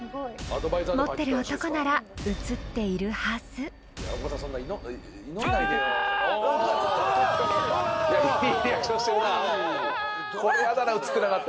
［持ってる男なら映っているはず］わ！